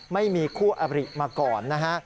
ไม่มีคู่อบริมาก่อนนะฮะ